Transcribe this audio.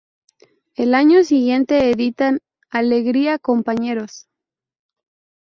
Al año siguiente editan "¡Alegría, compañeros!